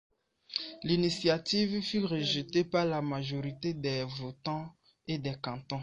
L'initiative fut rejetée par la majorité des votants et des cantons.